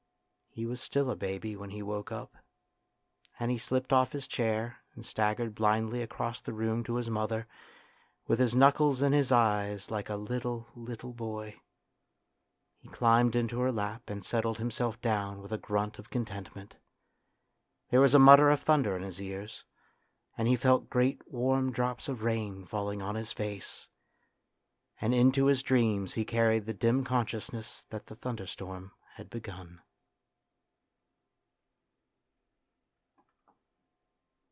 He was still a baby when he woke up, and he slipped off his chair and staggered blindly across the room to his mother, with his knuckles in his eyes like a little, little boy. He climbed into her lap and settled himself down with a grunt of contentment. There was a mutter of thunder in his ears, and he felt great warm drops of rain falling on his face. And into his dreams he carried the dim consciousness that the thunderstorm had begun.